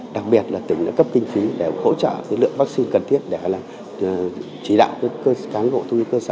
đặc biệt là tỉnh đã cấp kinh phí để hỗ trợ lượng vaccine cần thiết để chỉ đạo các hộ thương hiệu cơ sở